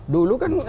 dulu kan sudah